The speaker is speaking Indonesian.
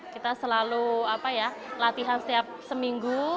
kita selalu apa ya latihan setiap seminggu